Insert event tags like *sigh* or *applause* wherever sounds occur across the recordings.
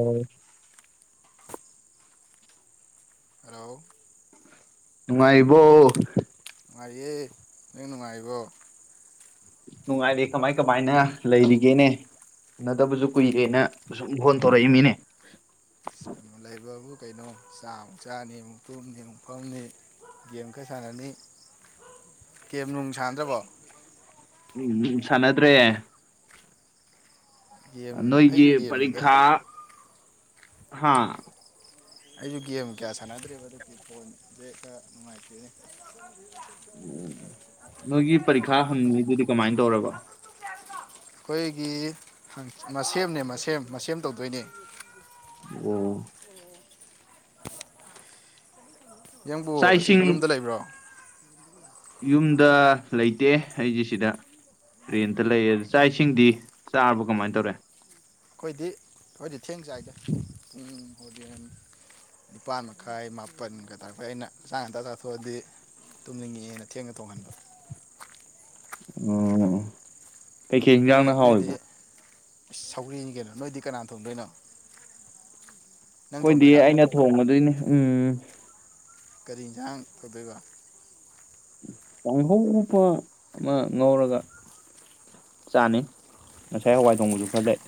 ꯑ ꯔꯣ ꯅꯨꯡꯉꯥꯏꯔꯤꯕꯣ ꯅꯨꯡꯉꯥꯏꯌꯦ ꯅꯪ ꯅꯨꯡꯉꯥꯏꯔꯤꯕꯣ ꯅꯨꯡꯉꯥꯏꯔꯦ ꯀꯃꯥꯏ ꯀꯃꯥꯏꯅ ꯂꯩꯔꯤꯒꯦꯅꯦ ꯎꯅꯗꯕꯁꯨ ꯀꯨꯏꯔꯦꯅ ꯁꯨꯝ ꯐꯣꯟ ꯇꯧꯔꯛꯏꯃꯤꯅꯦ ꯂꯥꯏꯕꯕꯨ ꯀꯩꯅꯣ ꯆꯥ ꯃꯨꯛ ꯆꯆꯥꯅꯤ ꯃꯨꯛꯇꯨꯝꯅꯤ ꯃꯨꯛꯐꯝꯅꯤ ꯒꯦꯝ ꯈꯔ ꯁꯥꯟꯅꯅꯤ ꯒꯦꯝ ꯅꯨꯡ ꯁꯥꯟꯗ꯭ꯔꯕꯣ ꯎꯝ ꯁꯥꯟꯅꯗ꯭ꯔꯦ ꯒꯦꯝ ꯅꯣꯏꯒꯤ ꯑꯩꯁꯨ ꯒꯦꯝꯗꯨꯗ ꯄꯔꯤꯈꯥ ꯍꯥꯥ ꯑꯩꯁꯨ ꯒꯦꯝ ꯀꯌꯥ ꯁꯥꯟꯅꯗ꯭ꯦꯔꯤꯕ ꯑꯗꯨꯗꯤ ꯐꯣꯟꯁꯦꯛꯇ ꯅꯨꯡꯉꯥꯏꯇꯦ ꯎ ꯅꯣꯏꯒꯤ ꯄꯔꯤꯈꯥ ꯍꯪꯉꯤꯗꯨꯗꯤ ꯀꯃꯥꯏꯅ ꯇꯧꯔꯕ ꯑꯩꯈꯣꯏꯒꯤ ꯃꯁꯦꯝꯅꯦ ꯃꯁꯦꯝ ꯃꯁꯦꯝ ꯇꯧꯗꯣꯏꯅꯦ ꯑꯣ ꯌꯦꯡꯕꯨ ꯆꯥꯛ ꯍꯧꯖꯤꯛ ꯏꯁꯤꯡ ꯌꯨꯝꯗ ꯂꯩꯕ꯭ꯔꯣ ꯌꯨꯝꯗ ꯂꯩꯇꯦ ꯑꯩꯁꯦ ꯁꯤꯗ ꯔꯦꯟꯇ ꯂꯩ ꯑꯗꯨ ꯆꯥꯛ ꯏꯁꯤꯡꯗꯤ ꯆꯥꯕ ꯀꯃꯥꯏꯅ ꯇꯧꯔꯦ ꯑꯩꯈꯣꯏꯗꯤ ꯑꯩꯣꯏꯗꯤ ꯊꯦꯡ ꯆꯥꯏꯗꯦ ꯎꯝꯗꯤ ꯅꯤꯄꯥꯥꯟ ꯃꯈꯥꯏ ꯃꯥꯄꯜꯒ ꯇꯥꯔꯄꯩ ꯑꯩꯅ ꯉꯥꯡ ꯉꯟꯇꯥ ꯆꯥꯊꯣꯛꯑꯗꯤ ꯇꯨꯝꯅꯤꯡꯉꯛꯑꯦꯅ ꯊꯦꯡꯅ ꯊꯣꯡꯍꯟꯕ ꯎ ꯀꯩꯀꯩ ꯅꯣꯏ ꯌꯦꯟꯖꯥꯡꯅ ꯅꯣꯏꯗꯤ ꯍꯥꯎꯋꯕ ꯁꯧꯒ꯭ꯔꯤꯅꯤ ꯀꯩꯅꯣ ꯅꯣꯏꯗꯤ ꯀꯅꯥꯅ ꯊꯣꯛꯗꯣꯏꯅꯣ ꯑꯩꯈꯣꯏꯗꯤ ꯑꯩꯅ ꯊꯣꯡꯉꯗꯣꯏꯅꯦ ꯎꯝ ꯀꯔꯤ ꯌꯦꯟꯁꯥꯡ ꯇꯧꯗꯒ ꯀꯥꯡꯍꯧ ꯎꯄ ꯑꯃ ꯉꯧꯔꯒ ꯆꯥꯅꯤ ꯉꯁꯥꯏ ꯍꯋꯥꯏ ꯊꯣꯡꯕꯁꯨ ꯈꯔ ꯂꯩ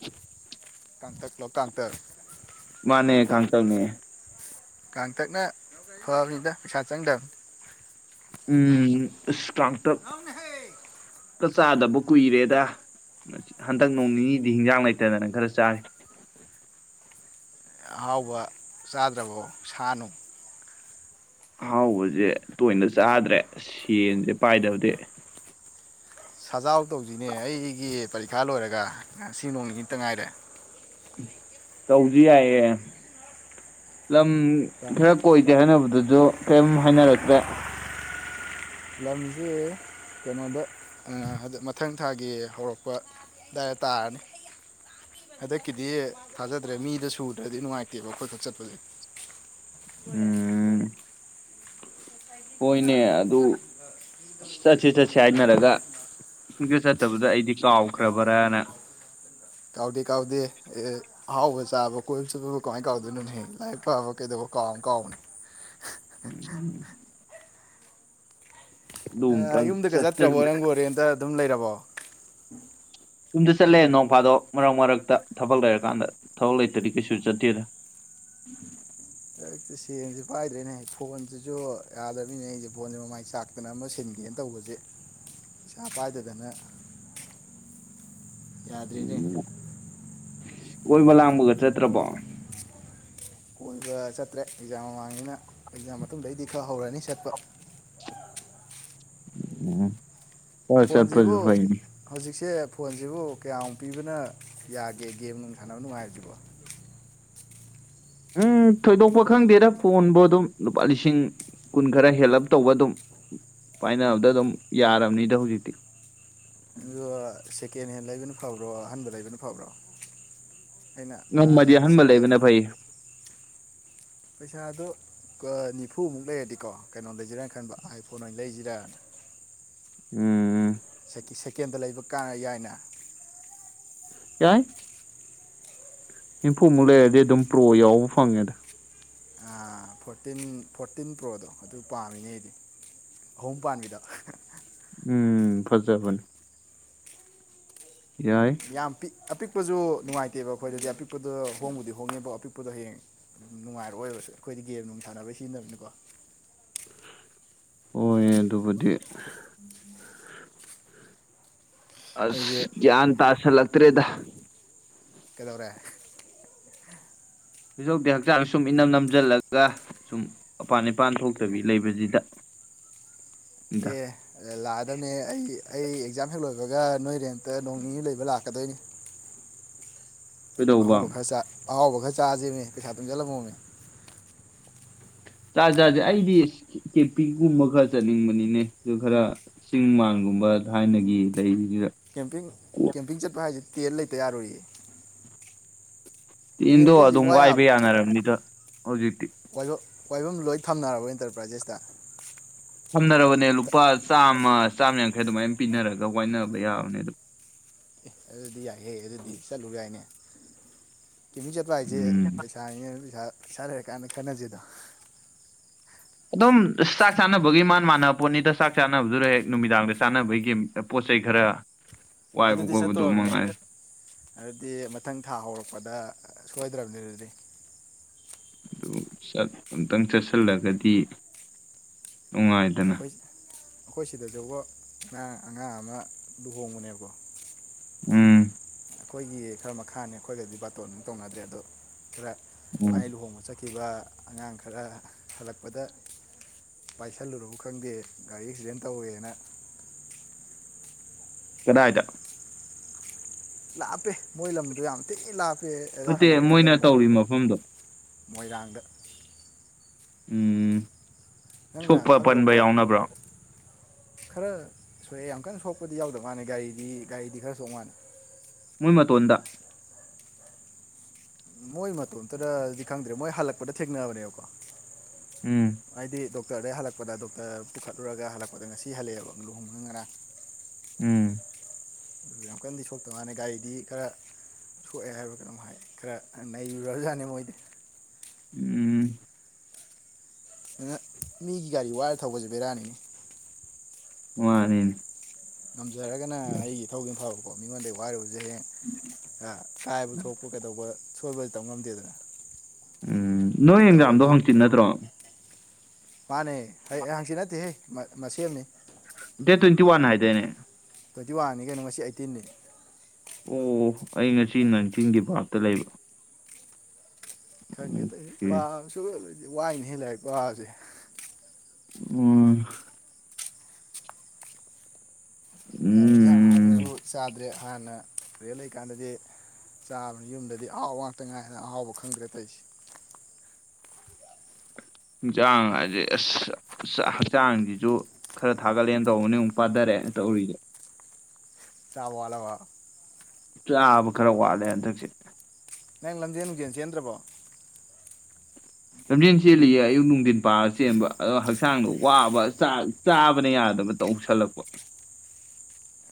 ꯎ ꯀꯪꯇꯂꯣ ꯀꯪꯇꯔ ꯀꯥꯡꯥꯡꯇꯪꯅꯤꯑꯦ ꯀꯥꯡꯥꯡꯊꯛꯅ ꯐꯅꯤꯗ ꯄꯩꯁꯥ ꯆꯪꯗꯕꯅꯤ ꯎꯝ ꯑꯁ ꯀꯇꯛꯛꯇ ꯆꯥꯗꯕ ꯀꯨꯏꯔꯦꯗ ꯍꯟꯗꯛ ꯅꯣꯡ ꯅꯤꯅꯤꯗꯤ ꯍꯤꯟꯖꯥꯡ ꯂꯩꯇꯗꯅꯪ ꯈꯔ ꯆꯥꯔꯤ ꯑꯍꯥꯎꯕ ꯆꯥꯗ꯭ꯔꯕꯣ ꯁꯥꯅꯨ ꯑꯍꯥꯎꯕꯁꯦ ꯇꯣꯏꯅ ꯆꯥꯗ꯭ꯔꯦ ꯁꯦꯟꯁꯦ ꯄꯥꯏꯗꯕꯗꯤ ꯁꯖꯥꯎ ꯇꯧꯁꯤꯅꯦ ꯑꯩꯒꯤ ꯐꯥ ꯂꯣꯏꯔꯒ ꯉꯁꯤ ꯅꯣꯡ ꯅꯤꯇ ꯉꯥꯏꯔꯦ ꯇꯧꯁꯤ ꯌꯥꯏꯌꯦꯦ ꯂꯝ ꯈꯔ ꯀꯣꯏꯗꯦ ꯍꯥꯏꯅꯕꯗ ꯑꯗꯨ ꯀꯔꯤꯝ ꯍꯥꯏꯅꯔꯛꯇ꯭ꯔꯦ ꯂꯝꯁꯦ ꯀꯩꯅꯣꯗ ꯃꯊꯪ ꯊꯥꯒꯤ ꯍꯧꯔꯛꯄ ꯑꯗꯨꯗꯥꯏ ꯇꯥꯔꯅꯤ ꯍꯟꯗꯛꯀꯤꯗꯤ ꯊꯥꯖꯗ꯭ꯔꯦ ꯃꯤꯗ ꯁꯨꯗ꯭ꯔꯗꯤ ꯅꯨꯡꯉꯥꯏꯇꯦꯕ ꯈꯠꯇ ꯆꯠꯄꯁꯦ ꯎꯝ ꯍꯣꯏꯅꯦ ꯑꯗꯨ ꯆꯠꯁ ꯆꯠꯁ ꯍꯥꯏꯅꯔꯒ ꯀꯗ ꯆꯠꯇꯕꯗ ꯑꯩꯗꯤ ꯀꯥꯎꯈ꯭ꯔꯕ꯭ꯔꯥꯅ ꯀꯥꯎꯗ ꯀꯥꯎꯗ ꯑꯦ ꯑꯍꯥꯎꯕ ꯆꯥꯕ ꯀꯣꯏꯕ ꯆꯠꯄꯕ ꯀꯃꯥꯏꯅ ꯀꯥꯎꯗꯣꯏꯅꯣꯅꯦ ꯂꯥꯏꯔꯤꯛ ꯐꯕ ꯀꯩꯗꯧꯕ ꯀꯥꯎ ꯀꯥꯎꯕꯅꯤ ꯎꯝ ꯑꯗꯨ ꯑꯃꯨꯛꯇꯪ ꯌꯨꯝꯗꯒ ꯆꯠꯁꯤꯟꯕ ꯆꯠꯇ꯭ꯔꯕꯣꯔꯪꯒꯣꯔꯦꯇ ꯑꯗꯨꯝ ꯂꯩꯔꯕ *unintelligible* ꯌꯨꯝꯗ ꯆꯠꯂꯦ ꯅꯣꯡ ꯐꯥꯗꯣ ꯃꯔꯛ ꯃꯔꯛꯇ ꯊꯕꯛ ꯂꯩꯔꯀꯥꯟꯗ ꯊꯕꯛ ꯂꯩꯇꯔꯤ ꯀꯩꯁꯨ ꯆꯠꯇꯦꯗ ꯁꯦꯟꯁꯤꯦ ꯄꯥꯏꯗ꯭ꯔꯦꯅꯦ ꯐꯣꯟꯁꯤꯁꯨ ꯌꯥꯗꯕꯅꯤꯅꯦ ꯑꯩꯁꯦ ꯐꯣꯟꯁꯦ ꯃꯃꯥꯏ ꯆꯥꯛꯇꯅ ꯑꯃ ꯁꯤꯟꯒꯦꯅ ꯇꯧꯕꯁꯦ ꯏꯁꯩꯥ ꯄꯥꯏꯗꯗꯅ ꯌꯥꯗꯔꯤꯗꯦ ꯀꯕ ꯂꯥꯡꯕꯒ ꯆꯠꯇ꯭ꯔꯕꯣ ꯀꯣꯏꯕ ꯆꯠꯇ꯭ꯔꯦ ꯑꯦꯛꯖꯥꯝ ꯃꯃꯥꯡꯉꯅ ꯑꯦꯛꯖꯥꯝ ꯃꯇꯨꯡꯗꯒꯤꯗꯤ ꯈꯔ ꯍꯧꯔꯅꯤ ꯆꯠꯄ ꯎꯝ ꯍꯣꯏ ꯆꯠꯄꯁꯨ ꯐꯣꯟꯁꯤꯕꯨ ꯐꯩꯅꯤ ꯍꯧꯖꯤꯛꯁꯦ ꯐꯣꯟꯁꯤꯕꯨ ꯀꯌꯥꯃꯨꯛ ꯄꯤꯕꯅ ꯌꯥꯒꯦ ꯒꯦꯝ ꯅꯨꯡ ꯁꯥꯟꯅꯕ ꯅꯨꯡꯉꯥꯏꯔ꯭ꯔꯤꯕꯣ ꯎꯝ ꯊꯣꯏꯗꯣꯛꯄ ꯈꯪꯗꯦꯗ ꯐꯣꯟꯕꯨ ꯑꯗꯨꯝ ꯂꯨꯄꯥ ꯂꯤꯁꯤꯡ ꯀꯨꯟ ꯈꯔ ꯍꯦꯜꯂꯞ ꯇꯧꯕ ꯑꯗꯨꯝ ꯄꯥꯏꯅꯕꯗ ꯑꯗꯨꯝ ꯌꯥꯔꯕꯅꯤꯗ ꯍꯧꯖꯤꯛꯇꯤ ꯑꯗꯨ ꯁꯦꯀꯦꯟ ꯍꯦꯟ ꯂꯩꯕꯅ ꯐꯕ꯭ꯔꯣ ꯑꯍꯟꯕ ꯂꯩꯕꯅ ꯐꯕ꯭ꯔꯣ ꯑꯩꯅ ꯑꯥ ꯅꯣꯡꯃꯗꯤ ꯁꯦ- ꯑꯍꯟꯕ ꯁꯦꯀꯦꯟ ꯂꯩꯕꯅ ꯐꯩ ꯄꯩꯁꯥꯗꯣ ꯅꯤꯐꯨꯃꯨꯛ ꯂꯩꯔꯗꯤꯀꯣ ꯀꯩꯅꯣ ꯂꯩꯁꯤꯔꯥꯅ ꯈꯟꯕ ꯑꯥꯏꯐꯣꯟ ꯑꯣꯏꯅ ꯂꯩꯁꯤꯔꯅ ꯎꯝ ꯎꯝ ꯁꯦꯀꯦꯟꯗ ꯂꯩꯕ ꯀꯥ ꯌꯥꯏꯅ *unintelligible* ꯅꯤꯝꯐꯨꯃꯨꯛ ꯂꯩꯔꯗꯤ ꯑꯗꯨꯝ ꯄ꯭ꯔꯣ ꯌꯥꯎꯕ ꯐꯪꯉꯦꯗ ꯐꯣꯔꯇꯤꯟ ꯐꯣꯔꯇꯤꯟ ꯄ꯭ꯔꯣꯗꯣ ꯑꯗꯨ ꯄꯥꯝꯃꯤꯅꯦ ꯑꯩꯗꯤ ꯑꯍꯨꯝ ꯄꯥꯟꯕꯥꯟꯕꯤꯗ ꯎꯝ ꯐꯖꯖꯕꯅꯤ ꯌꯥꯝ ꯑꯄꯤꯛꯄꯁꯨ ꯅꯨꯡꯉꯥꯏꯇꯦꯕ ꯑꯩꯈꯣꯏꯗꯗꯤ ꯑꯄꯤ ꯑꯄꯤꯛꯄꯗ ꯍꯣꯡꯕꯨꯗꯤ ꯍꯣꯡꯉꯦꯕꯣ ꯑꯄꯤꯛꯄꯗ ꯍꯌꯦꯡ ꯅꯨꯡꯉꯥꯏꯔꯛꯑꯣ ꯑꯣꯏꯕꯁꯨ ꯑꯩꯈꯣꯏꯗꯤ ꯒꯦꯝ ꯅꯨꯡ ꯊꯥꯅꯕꯩ ꯁꯤꯖꯤꯟꯅꯕꯅꯤꯀꯣ ꯑꯣꯏꯌꯦ ꯑꯗꯨꯕꯨꯗꯤ ꯑꯩꯁꯦ ꯑꯁ ꯒꯌ꯭ꯥꯟ ꯇꯥ ꯑꯁꯥꯜꯂꯛꯇꯔꯦꯗ ꯀꯗꯧꯔꯦ ꯐꯣꯏꯗꯧꯗꯤ ꯍꯛꯆꯥꯡ ꯁꯨꯝ ꯏꯅꯝ ꯅꯝꯁꯤꯜꯂꯒ ꯁꯨꯝ ꯃꯄꯥꯟ ꯅꯤꯄꯥꯟ ꯊꯣꯛꯇꯕꯤ ꯂꯩꯕꯁꯤꯗ ꯑꯦ ꯂꯥꯛꯗꯕꯅꯦ ꯑꯩ ꯑꯩ ꯑꯦꯛꯖꯥꯝ ꯍꯦꯛ ꯂꯣꯏꯕꯒ ꯅꯣꯏꯔꯦꯝꯇ ꯅꯣꯡ ꯅꯤꯅꯤ ꯂꯣꯏꯕ ꯂꯥꯛꯀꯗꯣꯏꯅꯤ ꯀꯩꯗꯧꯕ ꯑꯍꯧꯕ ꯈꯔ ꯆꯥꯛ ꯑꯍꯥꯎꯕ ꯈꯔ ꯆꯥꯥꯁꯕꯅꯦ ꯄꯩꯁꯥ ꯇꯨꯝꯁꯤꯜꯂꯝꯃꯣꯝꯅꯦ ꯆꯥꯖꯥꯔꯥꯁꯦ ꯑꯩꯗꯤ ꯀꯦꯄꯤꯛꯒꯨꯝꯕ ꯈꯔ ꯆꯠꯅꯤꯡꯕꯅꯤꯅꯦ ꯑꯗꯨ ꯈꯔ ꯆꯤꯡ ꯃꯥꯟꯒꯨꯝꯕ ꯊꯥꯏꯅꯒꯤ ꯂꯩ ꯀꯦꯝꯄꯤꯡ ꯀꯦꯝꯄꯤꯡ ꯆꯠꯄ ꯍꯥꯏꯁꯤꯗꯤ ꯇꯦꯜ ꯂꯩꯇ ꯌꯥꯔꯣꯏꯌꯦ ꯇꯤꯟꯗꯣ ꯇꯦꯟꯁꯦ ꯍꯧꯖꯤꯛ ꯑꯗꯨꯝ ꯋꯥ ꯋꯥꯏꯕ ꯌꯥꯕ ꯌꯥꯅꯔꯕꯅꯤꯗ ꯍꯧꯖꯤꯛꯇꯤ ꯋꯥꯏꯕ ꯋꯥꯏꯐꯝ ꯂꯣꯏ ꯊꯝꯅꯔꯕ ꯏꯟꯇꯔꯄ꯭ꯔꯥꯏꯖꯦꯁꯇ ꯊꯝꯅꯔꯕꯅꯦ ꯂꯨꯄꯥ ꯆꯥꯝꯃ ꯑꯃ ꯆꯥꯝ ꯌꯥꯡꯈꯩ ꯑꯗꯨꯃꯥꯏꯅ ꯄꯤꯅꯔꯒ ꯋꯥꯏꯅꯕ ꯌꯥꯕꯅꯦ ꯑꯗꯨ ꯑꯗꯨꯗꯤ ꯌꯥꯏꯍꯦ ꯑꯗꯨꯗꯤ ꯆꯠꯂꯨ ꯌꯥꯏꯅꯦ ꯀꯦꯝꯄꯤꯡ ꯆꯠꯄ ꯍꯥꯏꯁꯦ ꯎꯝ ꯄꯩꯁꯥꯅꯤ ꯄꯩꯁꯥ ꯩꯄꯩꯁꯥ ꯂꯩꯔꯀꯥꯟꯗ ꯈꯟꯅꯁꯤꯗꯣ ꯑꯗꯨꯝ ꯆꯥꯛ ꯆꯥꯅꯕꯒꯤ ꯃꯥꯟ ꯃꯥꯟꯅꯕ ꯄꯣꯠꯅꯤꯗ ꯆꯥꯛ ꯆꯥꯅꯕꯗꯨꯗ ꯍꯦꯛ ꯅꯨꯃꯤꯗꯥꯡꯗ ꯆꯥꯅꯕꯒꯤ ꯄꯣꯠ ꯆꯩꯩ ꯈꯔ ꯋꯥꯏꯕ ꯑꯗꯨꯗꯤ ꯈꯣꯠꯄꯗꯨ ꯆꯠꯇꯣꯕꯅꯦ ꯃꯉꯥꯏ ꯑꯗꯨꯗꯤ ꯃꯊꯪ ꯊꯥ ꯍꯧꯔꯛꯄꯗ ꯁꯣꯏꯗ꯭ꯔꯝꯅꯤ ꯑꯗꯨ *unintelligible* *unintelligible* ꯑꯝꯇꯪ ꯆꯠꯁꯤꯜꯂꯒꯗꯤ ꯅꯨꯡꯉꯥꯏꯗꯅ ꯑꯩꯈꯣꯏ ꯑꯩꯈꯣꯏ ꯁꯤꯗꯁꯨꯕꯨ ꯉꯥ ꯑꯉꯥꯡ ꯑꯃ ꯂꯨꯍꯣꯡꯕꯅꯦꯕ ꯎꯝ ꯑꯩꯈꯣꯏꯒꯤ ꯈꯔ ꯃꯈꯥꯅꯦ ꯑꯩꯈꯣꯏꯒꯗꯤ ꯕꯥꯇꯣꯟ ꯑꯃ ꯇꯧꯅꯗꯦ ꯑꯗꯣ *unintelligible* ꯎꯝ ꯃꯥꯏ ꯂꯨꯍꯣꯡꯕ *unintelligible* ꯈꯤꯕ ꯑꯉꯥꯡ ꯈꯔ ꯍꯜꯂꯛꯄꯗ ꯄꯥꯏꯁꯜꯂꯨꯨ ꯈꯪꯗꯦ ꯒꯥꯔꯤ ꯑꯦꯛꯁꯤꯗꯦꯟ ꯇꯧꯋꯦꯅ ꯀꯗꯥꯏꯇ ꯂꯥꯞꯄꯦ ꯃꯣꯏ ꯂꯝꯗꯣ ꯌꯥꯝ ꯊꯤ ꯂꯥꯞ ꯅꯠꯇꯦ ꯃꯣꯏꯅ ꯇꯧꯔꯤ ꯃꯐꯝꯗꯣ ꯃꯣꯏꯔꯥꯡꯗ ꯎꯝ ꯅꯪꯅ ꯁꯣꯛꯄ ꯄꯟꯕ ꯈꯪꯗꯧꯕ ꯌꯥꯎꯅꯕ꯭ꯔꯣ ꯈꯔ ꯁꯣꯛꯑꯦ ꯌꯥꯝ ꯀꯟꯅ ꯁꯣꯛꯄꯗꯤ ꯌꯥꯎꯗꯕ ꯃꯥꯜꯂꯦ ꯒꯥꯔꯤꯗꯤ ꯒꯥꯔꯤꯗꯤ ꯈꯔ ꯁꯣꯛ ꯃꯥꯥꯟ *unintelligible* ꯇꯣꯟꯗ ꯃꯣꯏ ꯃꯇꯣꯝꯇꯗꯗꯤ ꯈꯪꯗ꯭ꯔꯦ ꯃꯣꯏ ꯍꯜꯂꯛꯄꯗ ꯊꯦꯡꯅꯕꯅꯦꯕꯀꯣ ꯎꯝ ꯍꯥꯏꯗꯤ ꯗꯣꯛ ꯇꯔꯗꯩ ꯍꯜꯂꯛꯄꯗ ꯗꯣꯛꯇꯔ ꯄꯨꯈꯠꯂꯨꯔꯒ ꯍꯜꯂꯛꯄꯗ ꯉꯁꯤ ꯍꯜꯂꯛꯑꯦꯕ ꯂꯨꯍꯣꯡꯕꯅ ꯉꯔꯥꯡ ꯎꯝ ꯑꯗꯨ ꯌꯥꯝ ꯀꯟꯗꯤ ꯁꯣꯛꯇꯧ ꯃꯥꯅꯤ ꯒꯥꯔꯤꯗꯤ ꯈꯔ ꯁꯣꯛꯑꯦ ꯍꯥꯏꯕ ꯀꯩꯅꯣꯝ ꯍꯥꯏ ꯈꯔ ꯅꯩꯔꯨꯔꯖꯥꯠꯅꯤ ꯃꯣꯏꯗꯤ ꯎꯝ *unintelligible* ꯃꯤꯒꯤ ꯒꯥꯔꯤ ꯋꯥꯔ ꯊꯧꯕꯁꯦ ꯕꯦꯔꯥꯅꯤꯅꯤ ꯃꯥꯅꯤꯅꯦ ꯉꯝꯖꯔꯒꯅ ꯑꯩꯒꯤ ꯊꯧꯒꯤꯝ ꯐꯕ ꯃꯤꯉꯣꯟꯗꯩ ꯋꯥꯏ *unintelligible* ꯀꯥꯏꯕ ꯊꯣꯛꯄ ꯀꯩꯗꯧꯕ ꯁꯣꯏꯕꯗꯤ ꯇꯧ ꯉꯝꯗꯦꯗꯅ ꯎꯝ ꯅꯣꯏ ꯑꯦꯟꯖꯥꯝꯗꯣ ꯇꯧꯔꯗꯤ ꯍꯪꯆꯤꯠ ꯅꯠꯇ꯭ꯔꯣ ꯃꯥꯅꯦ ꯍ ꯍꯪꯆꯤꯠ ꯅꯠꯇꯦꯍꯦ ꯃ ꯃꯁꯦꯝꯅꯦ ꯗꯦꯠ ꯇ꯭ꯋꯦꯟꯇꯤ ꯋꯥꯟ ꯍꯥꯏꯗꯥꯏꯅꯦ ꯇ꯭ꯋꯦꯟꯇꯤ ꯋꯥꯟꯅꯤ ꯀꯩꯅꯣ ꯉꯁꯤ ꯑꯩꯠꯇꯤꯟꯅꯤ ꯑꯣ ꯑꯩ ꯉꯁꯤ ꯅꯖꯤꯡꯒꯤ ꯚꯥꯇ ꯂꯩꯕ ꯈꯪꯒꯦ ꯇ ꯑꯣꯀꯦ ꯄꯁꯨ ꯗꯤ ꯋꯥꯏꯅꯤ ꯍꯦꯜꯂ ꯏ ꯄꯁꯦ ꯑꯣ ꯏꯟꯁꯥꯡ ꯍꯥꯞꯄꯁꯨ ꯎꯝ ꯆꯥꯗ ꯇꯦ ꯍꯥꯟꯅ ꯇꯨꯔꯦ ꯂꯩꯀꯥꯟꯗꯗꯤ ꯆꯥꯕꯅꯤ ꯌꯨꯝꯗꯗꯤ ꯑꯍꯥꯎꯕ ꯉꯥꯛꯇ ꯉꯥꯏꯗꯅ ꯑꯍꯥꯎꯕ ꯈꯪꯗ꯭ꯔꯦ ꯇꯩꯁꯦ ꯍꯛꯆꯥꯡ ꯍꯥꯏꯁꯦ ꯑꯁ ꯍꯛꯆꯥꯡꯁꯤꯁꯨ ꯈꯔ ꯊꯥꯒꯠꯂꯦꯅ ꯇꯧꯕꯅꯦ ꯑꯃꯨꯛ ꯄꯥꯊꯔꯛꯦꯅ ꯇꯧꯔꯤꯁꯦ ꯆꯥꯕꯣ ꯑꯂꯋꯥ ꯆꯥꯕ ꯈꯔ ꯋꯥꯠꯂꯦ ꯍꯟꯗꯛꯁꯦ ꯅꯪ ꯂꯝꯖꯦꯟꯒꯦꯟ ꯆꯦꯟꯗ꯭ꯔꯕꯣ ꯂꯝꯖꯦꯟ ꯆꯦꯜꯂꯤꯌꯦ ꯑꯌꯨꯛ ꯅꯨꯡꯊꯤꯟ ꯄꯥꯔ ꯆꯦꯟꯕ ꯑꯗꯣ ꯍꯛꯆꯥꯡꯗꯣ ꯋꯥꯕ ꯆꯥꯕꯅ ꯌꯥꯗꯕ ꯇꯧꯁꯜꯂꯛꯄ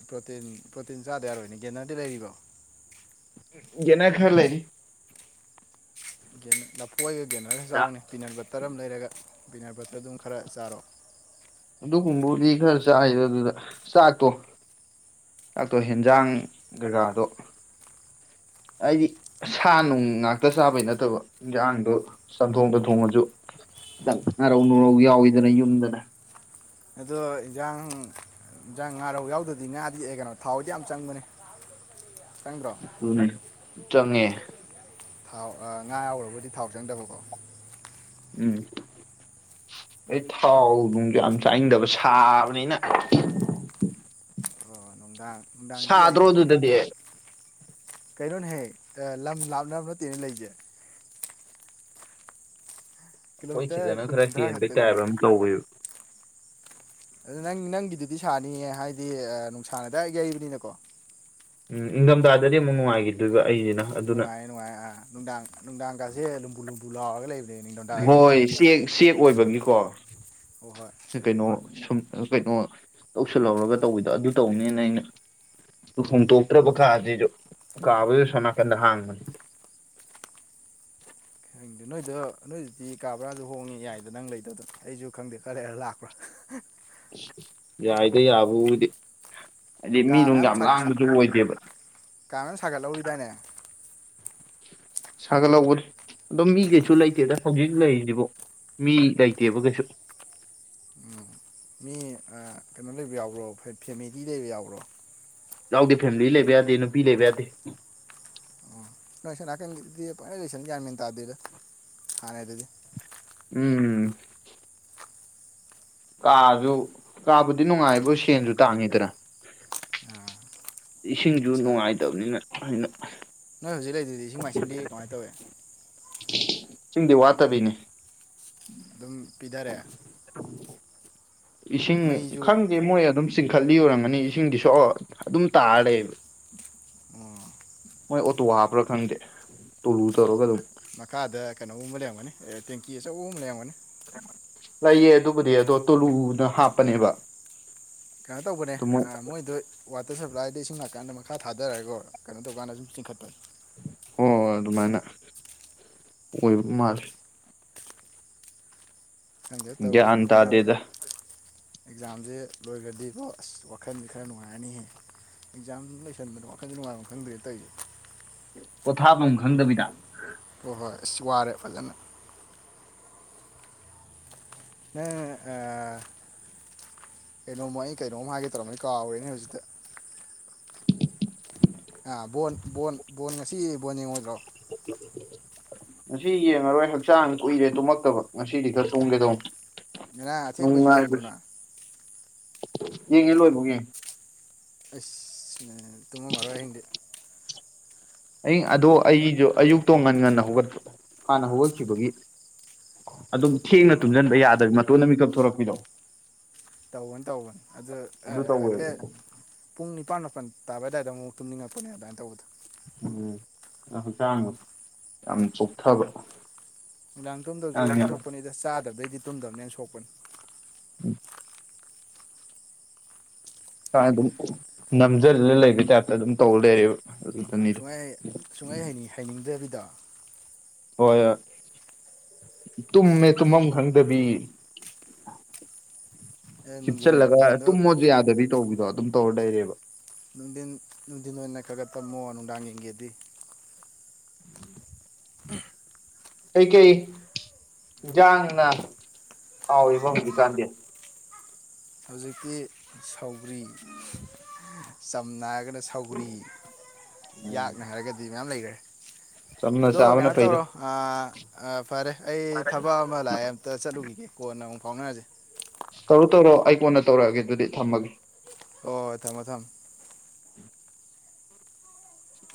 ꯄ꯭ꯔꯣꯇꯤꯟ ꯄ꯭ꯔꯣꯇꯤꯟ ꯆꯥꯗ ꯌꯥꯔꯣꯏꯅꯦ ꯒꯦꯅꯔꯗꯤ ꯂꯩ꯭ꯔꯣ ꯅ ꯈꯔ ꯂꯩ ꯂꯐꯨ ꯑꯣꯏ ꯒꯦꯅꯔ ꯆꯥꯎꯅꯤ ꯄꯤꯅꯔꯕ ꯇꯔꯝ ꯂꯩꯔꯒ ꯄꯕꯤꯤꯅꯔ ꯕꯇꯔ ꯑꯗꯨꯝ ꯈꯔ ꯆꯥꯔꯣ ꯑꯗꯨꯒꯨꯝꯕꯕꯨꯗꯤ ꯈꯔ ꯆꯥꯏꯗ ꯑꯗꯨꯗ ꯆꯥꯛꯇꯣ ꯗꯥꯛꯇꯣ ꯆꯥꯛ ꯍꯦꯟꯖꯥꯡ ꯔꯥꯗꯣ ꯍꯥꯏꯗꯤ ꯁꯥ ꯅꯨꯡ ꯉꯥꯛꯇ ꯆꯥꯕꯩ ꯅꯠꯇꯕ ꯏꯟꯖꯥꯡꯗꯣ ꯆꯝꯊꯣꯡ ꯇꯥ ꯊꯣꯡꯉꯁꯨ ꯈꯤꯇꯪ ꯉꯥꯔꯧ ꯨꯔꯧ ꯌꯥꯎꯋꯤꯗꯅ ꯌꯨꯝꯗꯅ ꯑꯗꯣ ꯏꯟꯖꯥꯡ ꯏꯟꯖꯥꯡ ꯉꯥꯔꯧ ꯌꯥꯎꯗꯗꯤ ꯉꯥꯗꯤ ꯀꯩꯅꯣ ꯊꯥꯎꯗꯤ ꯌꯥꯝ ꯆꯪꯕꯅꯤ ꯆꯪꯕ꯭ꯔꯣ ꯑꯗꯨꯅ ꯆꯪꯉꯦ ꯊꯥꯎ ꯉꯥ ꯌꯥꯎꯔꯕꯗꯤ ꯊꯥꯎ ꯆꯪꯗꯕꯀꯣ ꯎꯝ ꯑꯩ ꯊꯥꯎ ꯅꯨꯡꯁꯨ ꯌꯥꯝ ꯆꯥꯅꯤꯡꯗꯕ ꯁꯥꯕꯅꯤꯅ ꯑꯣ ꯅꯨꯡꯗꯥꯡ ꯁꯥꯗ꯭ꯔꯣ ꯑꯗꯨꯗꯗꯤ ꯀꯩꯅꯣꯅꯦ ꯍꯦ ꯂꯝ ꯂꯥꯞꯅꯕ ꯅꯠꯇꯦꯅ ꯂꯩꯖꯦ ꯑꯩꯈꯣꯏ ꯀꯤꯂꯣꯃꯤꯇꯔ ꯁꯤꯗꯅ ꯀꯨꯟ ꯈꯔ ꯀꯨꯟꯊ꯭ꯔꯥ ꯍꯦꯟꯕ ꯇꯥꯏꯞ ꯈꯛꯇꯅꯤꯅꯦ ꯑꯃꯁꯨ ꯇꯧꯋꯦꯕꯥ ꯑꯗꯨ ꯅꯪ ꯅꯪꯒꯤꯗꯨꯗꯤ ꯁꯥꯅꯤꯌꯦ ꯍꯥꯏꯗꯤ ꯅꯨꯡꯁꯥꯅ ꯗꯥꯏꯔꯦꯛ ꯌꯩꯕꯅꯤꯅꯀꯣ ꯎꯝ ꯏꯪꯊꯝꯊꯥꯗꯗꯤ ꯑꯃꯨꯛ ꯅꯨꯡꯉꯥꯏꯈꯤꯗꯣꯏꯕ ꯑꯩꯁꯤꯅ ꯑꯗꯨꯅ ꯅꯨꯡꯉꯥꯏ ꯅꯨꯡꯉꯥꯏ ꯅꯨꯡ ꯅꯨꯡꯗꯥꯡ ꯀꯁꯦ ꯑꯗꯨꯝꯨ ꯂꯨꯝ ꯂꯨꯝꯐꯨ ꯂꯩꯕ ꯍꯣꯏ ꯆ ꯆꯦꯛ ꯑꯣꯏꯕꯒꯤ ꯀꯣ ꯍꯣꯏ ꯍꯣꯏ ꯀꯩꯅꯣ ꯁꯨꯝ ꯀꯩꯅꯣ ꯇꯧꯁꯤꯜꯍꯧꯔꯒ ꯇꯧꯕꯤꯗꯣ ꯑꯗꯨ ꯇꯧꯅꯦꯅ ꯑꯩꯅ ꯍꯣꯡꯇꯣꯛꯇ꯭ꯔꯕ ꯀꯥꯁꯤꯁꯨ ꯀꯥꯕꯗ ꯁꯣꯝ ꯅꯥꯀꯟꯗ ꯍꯥꯡꯕꯅꯤ ꯍꯗ ꯅꯣꯏꯗ ꯅꯣꯏꯁꯤꯗꯤ ꯀꯥ ꯕ꯭ꯔꯥꯁꯨ ꯍꯣꯡꯉꯤ ꯌꯥꯏꯗ ꯅꯪ ꯂꯩꯇꯗꯅ ꯑꯩꯁꯨ ꯈꯪꯗꯦ ꯈꯔꯦ ꯈꯔ ꯂꯥꯛꯄ꯭ꯔꯣ ꯌꯥꯏꯗ ꯌꯥꯕꯗꯤ ꯀꯥ ꯃꯌꯥꯝ ꯀꯥ ꯃꯌꯥꯝ ꯁꯥꯒꯠꯍꯧꯔꯤꯗꯥꯏꯅꯦ ꯁꯥꯒꯠꯍꯧꯕ ꯑꯗꯨꯝ ꯃꯤ ꯀꯩꯁꯨ ꯂꯩꯇꯦꯗ ꯍꯧꯖꯤꯛ ꯂꯩꯔꯤꯁꯤꯕ ꯃꯤ ꯂꯩꯇꯦꯕ ꯀꯩꯁꯨ ꯎꯝ ꯃꯤ ꯀꯩꯅꯣ ꯂꯩꯕ ꯌꯥꯎꯕ꯭ꯔꯣ ꯐꯦꯃꯤꯂꯤ ꯂꯩꯕ ꯌꯥꯎꯕ꯭ꯔꯣ ꯌꯥꯎꯗꯦ ꯐꯦꯃꯤꯂꯤ ꯂꯩꯕ ꯌꯥꯗꯦ ꯅꯨꯄꯤ ꯂꯩꯕ ꯌꯥꯗꯦ ꯅꯣꯏꯁ ꯅꯥꯀꯟꯗꯤ ꯂꯣꯏꯁꯟ ꯭ꯌꯥꯟꯃꯤꯦꯟ ꯇꯥꯗꯦꯗꯣ ꯍꯥꯟꯅ ꯑꯗꯨꯗꯤ ꯎꯝ ꯀꯥꯁꯨ ꯀꯥꯕꯨꯗꯤ ꯅꯨꯡꯉꯥꯏꯕ ꯁꯦꯟꯁꯨ ꯇꯥꯡꯉꯤꯗꯅ ꯑꯥ ꯏꯁꯤꯡꯁꯨ ꯄꯩꯁꯥ ꯅꯨꯡꯉꯥꯏꯇꯕꯅꯤꯅ ꯑꯩꯅ ꯅꯣꯏ ꯍꯧꯖꯤꯛ ꯂꯩꯗꯨꯗꯤ ꯏꯁꯤꯡ ꯃꯥꯏꯁꯤꯡꯗꯤ ꯀꯃꯥꯏꯅ ꯇꯧꯏꯤ ꯁꯤꯨꯝꯗꯤ ꯋꯥꯇꯕꯤꯅꯦ ꯑꯗꯨꯝ ꯄꯤꯊꯔꯦꯑꯦ ꯏꯁꯤꯡ ꯈꯪꯗꯦ ꯃꯣꯏ ꯑꯗꯨꯝ ꯆꯤꯡꯈꯠꯂꯤ ꯑꯣꯏꯔꯝꯒꯅꯤ ꯏꯁꯤꯡꯗꯤꯁꯨ ꯑꯗꯨꯝ ꯇꯥꯔ ꯂꯩꯕ ꯎꯝ ꯃꯣꯏ ꯑꯣꯇꯣ ꯍꯥꯞꯄ꯭ꯔꯥ ꯈꯪꯗꯦ ꯇꯣꯂꯨ ꯇꯧꯔꯒ ꯑꯗꯨꯝ ꯃꯈꯥꯗ ꯀꯩꯅꯣꯒꯨꯝ ꯑꯃ ꯂꯩꯔꯝꯒꯅꯤ ꯇꯦꯡꯀꯤ ꯑꯆꯧꯕ ꯑꯃ ꯂꯩꯔꯝꯒꯅꯤ ꯂꯩꯌꯦ ꯑꯗꯨꯕꯨꯗꯤ ꯑꯗꯣ ꯇꯣꯂꯨꯅ ꯍꯥꯞꯄꯅꯦꯕ ꯀꯩꯅꯣ ꯇꯧꯕꯅꯦ ꯑꯗꯨ ꯃꯣꯏ ꯃꯣꯏꯗ ꯋꯥꯇꯔ ꯁꯄ꯭ꯂꯥꯏꯗ ꯏꯁꯤꯡ ꯅꯥꯀꯥꯟꯗ ꯃꯈꯥ ꯊꯥꯗꯔꯒꯣ ꯀꯩꯅꯣ ꯇꯧꯀꯥꯟꯗ ꯁꯨꯝ ꯆꯤꯡꯈꯠꯇꯅꯤ ꯍꯣꯏ ꯑꯗꯨꯃꯥꯏꯅ ꯑꯣꯏꯕ ꯃꯥꯂꯦ ꯈꯪꯗꯦ ꯇꯧꯔꯤ ꯒ꯭ꯌꯥꯟ ꯑꯦꯛꯖꯥꯝꯁꯦ ꯇꯥꯗꯦꯗ ꯑꯦꯛꯖꯥꯝꯁꯦ ꯂꯣꯏꯈ꯭ꯔꯗꯤꯀꯣ ꯑꯁ ꯋꯥꯈꯟꯁꯦ ꯈꯔ ꯅꯨꯡꯉꯥꯏꯔꯅꯤꯍꯦ ꯑꯦꯛꯖꯥꯝ ꯂꯣꯏꯁꯟꯕꯗ ꯋꯥꯈꯟꯁꯦ ꯅꯨꯡꯉꯥꯏꯕꯐꯝ ꯈꯪꯗ꯭ꯔꯦ ꯇꯧꯁꯦ ꯄꯣꯊꯥꯞꯐꯝꯝ ꯈꯪꯗꯕꯤꯗ ꯍꯣꯏ ꯍꯣꯏ ꯑꯁ ꯋꯥꯔꯦ ꯐꯖꯅ ꯅꯪ ꯀꯩꯅꯣꯝꯃ ꯑꯩ ꯀꯩꯅꯣꯝꯃ ꯍꯥꯏꯒꯦ ꯇꯧꯔꯝꯃꯩ ꯀꯥꯎꯔꯦꯅꯦ ꯍꯧꯖꯤꯛꯇ ꯑꯕꯕ ꯕꯣꯟ ꯉꯁꯤ ꯕꯣꯟ ꯌꯦꯡꯉꯣꯏꯗ꯭ꯔꯣ ꯉꯁꯤ ꯌꯦꯡꯉꯔꯣꯏ ꯍꯛꯆꯥꯡ ꯀꯨꯏꯔꯦ ꯇꯨꯝꯃꯛꯇꯕ ꯉꯁꯤꯗꯤ ꯈꯔ ꯆꯨꯝꯒꯦꯗꯧ ꯅꯅꯥ ꯑꯊꯦꯡꯕꯁꯨ ꯌꯦꯡꯕ꯭ꯔꯣꯅ ꯌꯦꯡꯉꯦ ꯂꯣꯏꯕꯨꯡ ꯌꯦ ꯑ ꯇꯨꯡꯉꯃꯣꯏꯍꯤꯡꯗꯤ ꯑ ꯑꯗꯣ ꯑꯩꯁꯨ ꯑꯌꯨꯛꯇꯣ ꯉꯟ ꯉꯟꯅ ꯍꯧꯒꯠꯄ ꯍꯥꯟꯅ ꯍꯧꯒꯠꯈꯤꯕꯒꯤ ꯑꯗꯨꯝ ꯊꯦꯡꯅ ꯑꯣ ꯇꯨꯝꯁꯤꯟꯕ ꯌꯥꯗꯕ ꯃꯇꯣꯟꯗ ꯃꯤꯈꯛ ꯊꯣꯔꯛꯄꯤꯔꯣ ꯇꯧꯕꯅꯤ ꯇꯧꯕꯅꯤ ꯑꯗꯣ ꯇꯧꯋꯦꯕ ꯍꯥꯏꯐꯦꯠ ꯄꯨꯡꯅꯤ ꯅꯤꯄꯥꯥꯟ ꯃꯥꯄꯜ ꯇꯥꯕ ꯑꯗꯨꯋꯥꯏꯗ ꯑꯃꯨꯛ ꯇꯨꯝꯅꯤꯡꯉꯛꯄꯅꯦ ꯑꯗꯨꯃꯥꯏꯅ ꯇꯧꯕꯗꯣ ꯎꯝ ꯌꯥꯝ ꯍꯛꯆꯥꯡ ꯌꯥꯝ ꯆꯣꯛꯊꯕꯗ ꯅꯨꯡꯗꯥꯡ ꯇꯨꯝꯗꯕꯁꯦ ꯁꯣꯛꯄꯅꯤꯗ ꯆꯥꯗꯕꯩꯗꯤ ꯇꯨꯝꯗꯕꯅꯦ ꯊꯣꯛꯄꯅꯤ ꯎꯝ ꯑꯗꯨꯝ ꯅꯝꯖꯜꯅ ꯂꯩꯕꯒꯤ ꯇꯥꯏꯞꯇ ꯑꯗꯨꯝ ꯇꯧ ꯂꯩꯔ ꯁꯨꯡꯥꯏ ꯁꯨꯡꯉꯥꯏꯅꯤꯡ ꯍꯥꯏꯩꯅꯤꯡꯗꯕꯤꯗ ꯍꯣꯏ ꯇꯨꯝꯃꯦ ꯇꯨꯝꯃꯝ ꯈꯪꯗꯕꯤ ꯑꯦ ꯅꯨꯡꯊꯤꯟ ꯍꯤꯞꯆꯜꯂꯒ ꯅꯨꯡꯊꯤꯟꯗꯣ ꯇꯨꯝꯃꯣꯁꯨ ꯌꯥꯗꯕꯤꯗꯤ ꯇꯧꯕꯤꯗꯣ ꯑꯗꯨꯝ ꯇꯣꯔꯤꯕ ꯅꯨꯡꯊꯤꯟ ꯅꯨꯡꯊꯤꯟ ꯑꯣꯏꯅ ꯈꯔꯒꯠ ꯇꯝꯃꯣ ꯅꯨꯡꯗꯥꯡ ꯌꯦꯡꯒꯦꯗꯤ ꯀꯩꯀꯩ ꯏꯟꯁꯥꯡꯅ ꯀꯥꯎꯔꯤ ꯐ ꯍꯧꯖꯤ ꯀꯥꯟꯗꯦ ꯍꯧꯖꯤꯛꯇꯤ ꯁꯒ꯭ꯔꯤ ꯆꯝꯅꯥ ꯍꯥꯏꯔꯒꯅ ꯁꯧꯒꯔꯤ ꯎꯝ ꯌꯥꯛꯅ ꯍꯥꯏꯔꯒꯗꯤ ꯃꯌꯥꯝ ꯂꯩꯈ꯭ꯔꯦ ꯆꯝꯅ ꯑꯗꯣ ꯆꯥꯕꯅ ꯀꯩꯅꯣ ꯐꯩꯗ ꯇꯧꯔꯣ ꯑ ꯑ ꯐꯔꯦ ꯑꯩ ꯊꯕꯛ ꯑꯃ ꯂꯥꯛꯑꯦ ꯑꯃꯝꯇ ꯆꯠꯂꯨꯈꯤꯒꯦ ꯀꯣꯟꯅ ꯑꯃꯨꯛ ꯐꯥꯎꯅꯔꯁꯦ ꯇꯧꯔꯣ ꯇꯧꯔꯣ ꯑꯩ ꯀꯣꯟꯗ ꯇꯧꯔꯛꯑꯒꯦ ꯑꯗꯨꯗꯤ ꯊꯝꯃꯒꯦ ꯍ ꯍꯣꯏ ꯊꯝꯃꯣ ꯊꯝꯃꯦ